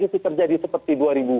itu terjadi seperti dua ribu delapan belas